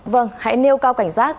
vâng hãy nêu cao cảnh giác